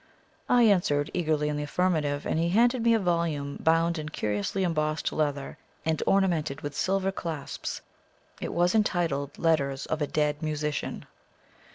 I answered eagerly in the affirmative, and he handed me a volume bound in curiously embossed leather, and ornamented with silver clasps. It was entitled "Letters of a Dead Musician."